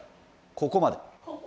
ここまで。